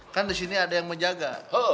kan disini ada yang menjaga